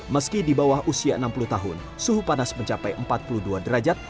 meski di bawah usia enam puluh tahun suhu panas mencapai empat puluh dua derajat